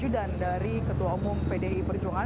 dan dari ketua umum pdi perjuangan